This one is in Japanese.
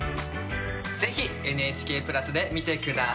ぜひＮＨＫプラスで見て下さい！